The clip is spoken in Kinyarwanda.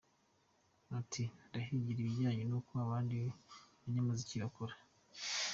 Ati "Ndahigira ibijyanye n’uko abandi banyamuziki bakora.